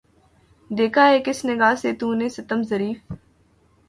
دیکھا ہے کس نگاہ سے تو نے ستم ظریف